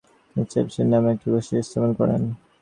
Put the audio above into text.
তিনি "সেপটেম" নামে একটি গোষ্ঠী স্থাপন করেন।